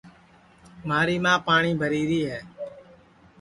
مھاری ماں پاٹؔی بھری ری ہے